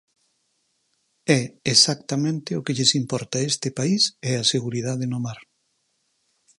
É exactamente o que lles importa este país e a seguridade no mar.